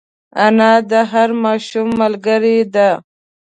انا د هر ماشوم ملګرې ده